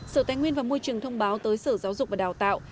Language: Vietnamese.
sở tài nguyên và môi trường thông báo tới sở giáo dục và đào tạo